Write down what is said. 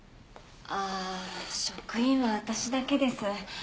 ああ職員は私だけです。